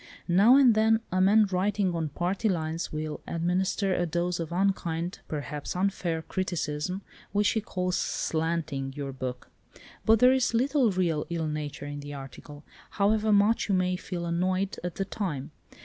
Now and then a man writing on party lines will administer a dose of unkind, perhaps unfair, criticism which he calls 'slating' your book. But there is little real ill nature in the article, however much you may feel annoyed at the time.